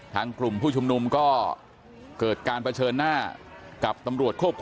ทั้งกลุ่มผู้ชมนุมก็เกิดการเผชิญหน้า